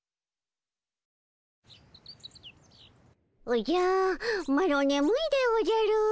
おじゃマロねむいでおじゃる。